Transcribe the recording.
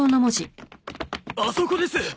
あそこです。